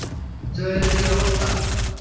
জোয়ের কী অবস্থা?